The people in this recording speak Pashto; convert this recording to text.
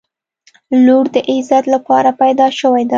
• لور د عزت لپاره پیدا شوې ده.